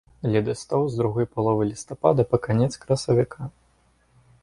Ледастаў з другой паловы лістапада па канец красавіка.